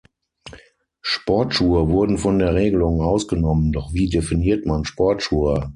Sportschuhe wurden von der Regelung ausgenommen, doch wie definiert man Sportschuhe?